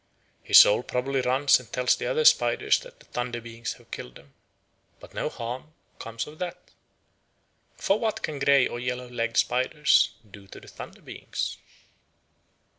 His soul probably runs and tells the other spiders that the Thunder beings have killed him; but no harm comes of that. For what can grey or yellow legged spiders do to the Thunder beings?